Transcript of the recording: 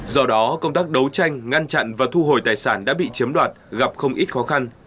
do đó công tác đấu tranh ngăn chặn và thu hồi tài sản đã bị chiếm đoạt gặp không ít khó khăn